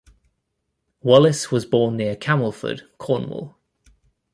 Wallis was born near Camelford, Cornwall.